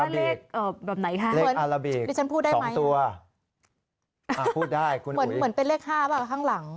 แบบไหนค่ะสองตัวคุณอุ๋ยเหมือนเป็นเลข๕หรือเปล่าข้างหลัง